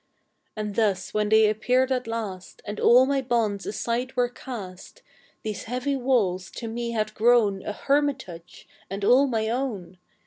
And thus when they appeared at last, And all my bonds aside were cast, These heavy walls to me had grown A hermitage, and all my own!